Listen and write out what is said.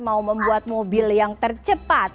mau membuat mobil yang tercepat